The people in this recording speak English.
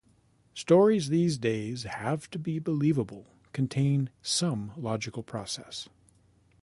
Stories these days have to be believable, contain some logical process.